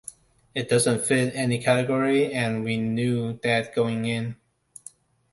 It doesn't fit any category, and we knew that going in.